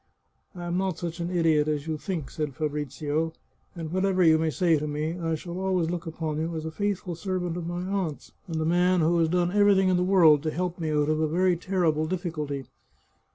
" I am not such an idiot as you think," said Fabrizio. " And whatever you may say to me, I shall always look upon you as a faithful servant of my aunt's, and a man who has done everything in the world to help me out of a very ter rible difficulty."